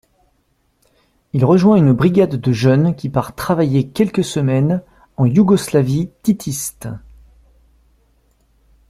Il rejoint une brigade de jeunes qui part travailler quelques semaines en Yougoslavie titiste.